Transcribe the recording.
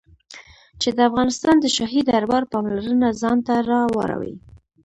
چې د افغانستان د شاهي دربار پاملرنه ځان ته را واړوي.